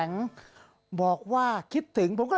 ต้องหาคู่เต้นอยู่ป่ะคะ